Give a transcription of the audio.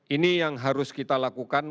ini yang harus kita lakukan